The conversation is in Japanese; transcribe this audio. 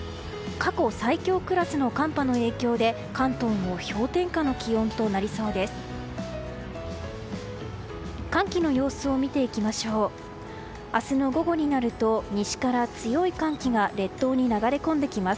過去最強クラスの寒波の影響で関東も氷点下の気温となりそうです。